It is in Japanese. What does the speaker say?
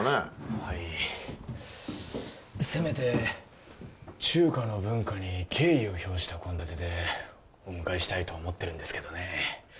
はいせめて中華の文化に敬意を表した献立でお迎えしたいと思ってるんですけどね